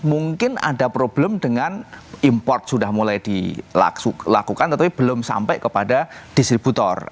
mungkin ada problem dengan import sudah mulai dilakukan tetapi belum sampai kepada distributor